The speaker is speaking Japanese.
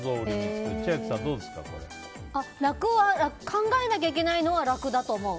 考えなきゃいけないのは楽だと思う。